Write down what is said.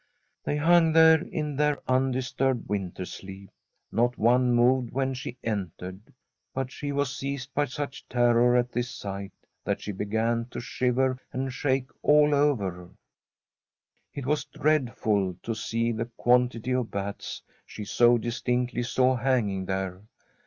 They hung there in their undisturbed winter sleep ; not one moved when she entered. But she was seized by such terror at this sight that she began to shiver and shake all over. It was dreadful to see the quantity of bats she so dis tinctly saw hanging there.